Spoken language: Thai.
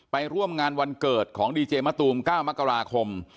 ไปร่วมงานวันเกิดของดีเจมะตูม๙มกราคม